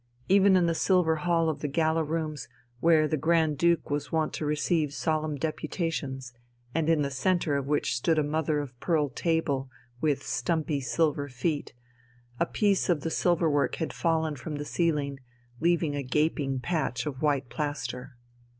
Even in the Silver Hall of the Gala Rooms, where the Grand Duke was wont to receive solemn deputations, and in the centre of which stood a mother of pearl table with stumpy silver feet, a piece of the silver work had fallen from the ceiling leaving a gaping patch of white plaster.